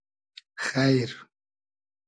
خݷر